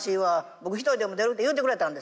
僕１人でも出るって言うてくれたんですよ。